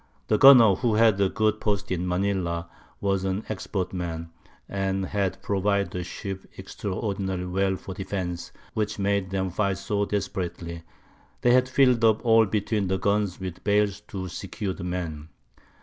The Gunner, who had a good Post in Manila, was an expert Man, and had provided the Ship extraordinary well for Defence, which made them fight so desperately; they had filled up all between the Guns with Bales to secure the Men.